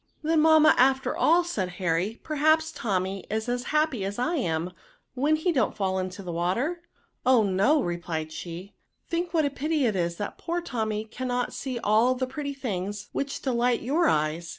" Then, mamma, after all," said Harry, perhaps, Tommy is as happy as I am, when he don't fall into the water V* " Oh, no !" replied she ;" think what a pity it is that poor Tommy cannot see all the pretty things which delight your eyes.